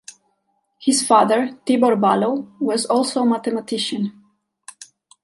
His father, Tibor Balogh, was also a mathematician.